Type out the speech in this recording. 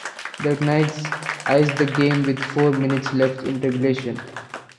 The Knights iced the game with four minutes left in regulation.